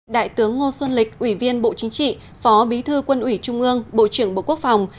đại tướng ngô xuân lịch ủy viên bộ chính trị phó bí thư quân ủy trung ương bộ trưởng bộ quốc phòng